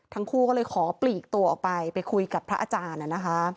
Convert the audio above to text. ทั้งคู่ก็เลยขอปลีกตัวออกไปไปคุยกับพระอาจารย์นะคะ